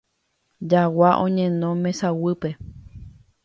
Jagua oñeno mesaguýpe.